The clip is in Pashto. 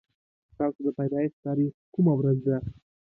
ستاسو د پيدايښت تاريخ کومه ورځ ده